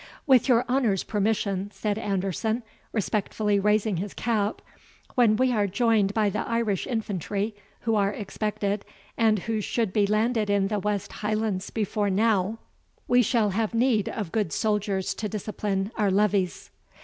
"With your honour's permission," said Anderson, respectfully raising his cap, "when we are joined by the Irish infantry, who are expected, and who should be landed in the West Highlands before now, we shall have need of good soldiers to discipline our levies."